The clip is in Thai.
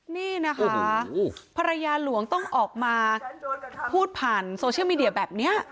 นี่นะคะภรรยาหลวงต้องออกมาพูดผ่านโซเชียลมีเดียแบบนี้